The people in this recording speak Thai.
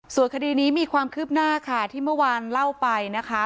ส่วนคดีนี้มีความคืบหน้าค่ะที่เมื่อวานเล่าไปนะคะ